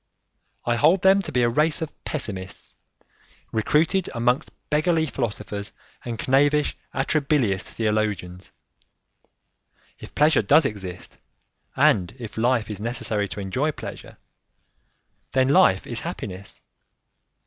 I hold them to be a race of pessimists, recruited amongst beggarly philosophers and knavish, atrabilious theologians. If pleasure does exist, and if life is necessary to enjoy pleasure, then life is happiness.